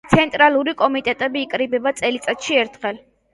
ცენტრალური კომიტეტი იკრიბება წელიწადში ერთხელ.